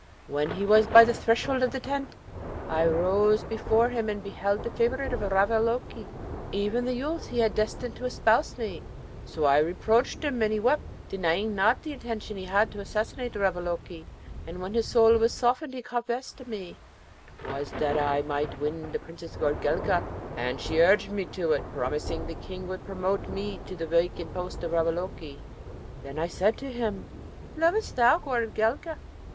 When he was by the threshold of the tent, I rose before him and beheld the favourite of Ravaloke, even the youth he had destined to espouse me; so I reproached him, and he wept, denying not the intention he had to assassinate Ravaloke, and when his soul was softened he confessed to me, ''Twas that I might win the Princess Goorelka, and she urged me to it, promising the King would promote me to the vacant post of Ravaloke.' Then I said to him, 'Lov'st thou Goorelka?'